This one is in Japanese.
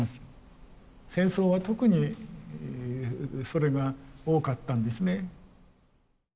戦争は特にそれが多かったんですね。